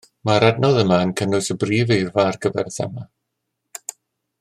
Mae'r adnodd yma yn cynnwys y brif eirfa ar gyfer y thema